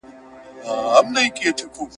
زه د قلم پر ارزښت یوه مقاله لیکم.